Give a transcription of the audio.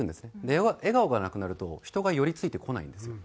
で笑顔がなくなると人が寄り付いてこないんですよ。